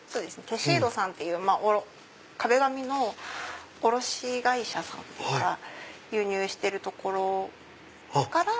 テシードさんという壁紙の卸会社さんとか輸入してるところから。